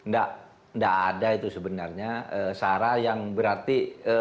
tidak ada itu sebenarnya sara yang berarti